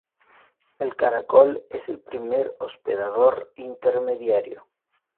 El caracol es el primer hospedador intermediario.